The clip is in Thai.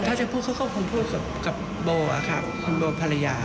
ถ้าจะพูดเขาก็คงพูดกับโบครับคุณโบภรรยา